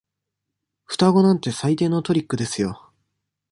双子なんて最低のトリックですよ。